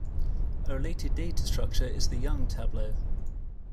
A related data structure is the Young tableau.